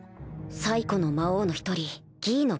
最古の魔王の一人ギィの部下か